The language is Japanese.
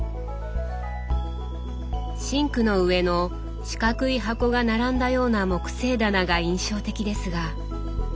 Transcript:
シンクの上の四角い箱が並んだような木製棚が印象的ですが。